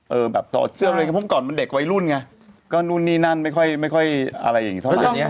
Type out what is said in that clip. เออแบบต่อเจือมเลยเพราะผมก่อนมันเด็กไว้รุ่นไงก็นู่นนี่นั่นไม่ค่อยอะไรอย่างนี้เท่าไหร่